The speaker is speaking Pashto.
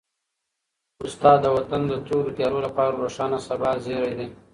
استاد د وطن د تورو تیارو لپاره د روښانه سبا زېری دی.